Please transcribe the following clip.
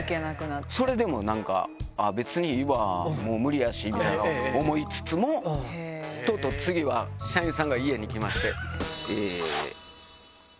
それでもなんか、あっ、別にいいわ、もう無理やしみたいに思いつつも、とうとう次は社員さんが家に来まして。